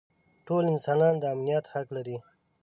ټول انسانان د امنیت حق لري.